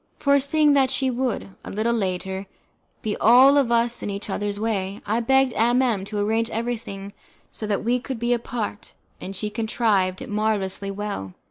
Foreseeing that we would, a little later, be all of us in each other's way, I begged M M to arrange everything so that we could be apart, and she contrived it marvellously well.